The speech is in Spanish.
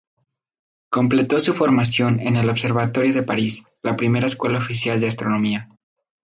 Completó su formación en el Observatorio de París, la primera Escuela Oficial de Astronomía.